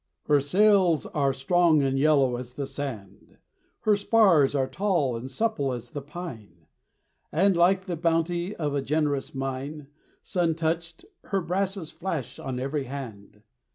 Her sails are strong and yellow as the sand, Her spars are tall and supple as the pine, And, like the bounty of a generous mine, Sun touched, her brasses flash on every hand.